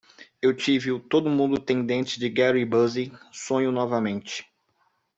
Eu tive o "todo mundo tem dentes de Gary Busey" sonho novamente.